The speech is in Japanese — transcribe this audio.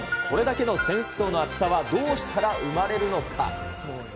これだけの選手層の厚さはどうしたら生まれるのか。